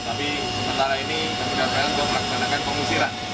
tapi antara ini kita sudah selesai untuk melaksanakan pengusiran